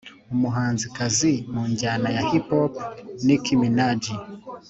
umuhanzikazi mu njyana ya “hip hop” nicki minaj